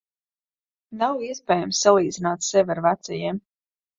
Nav iespējams salīdzināt sevi ar vecajiem.